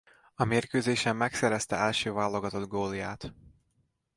A mérkőzésen megszerezte első válogatott gólját.